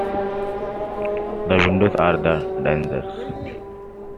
The windows are the danger.